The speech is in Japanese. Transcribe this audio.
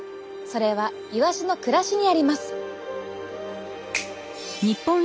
それはイワシの暮らしにあります。